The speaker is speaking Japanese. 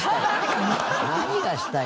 何がしたい？